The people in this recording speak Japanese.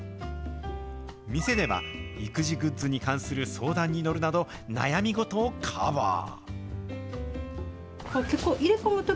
店では育児グッズに関する相談に乗るなど、悩みごとをカバー。